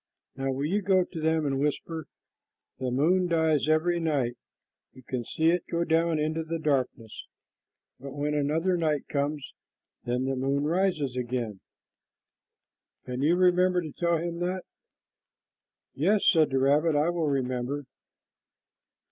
Now will you go to them and whisper, 'The moon dies every night. You can see it go down into the darkness, but when another night comes, then the moon rises again,' can you remember to tell them that?" "Yes," said the rabbit, "I will remember."